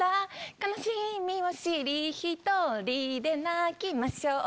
悲しみを知り独りで泣きましょう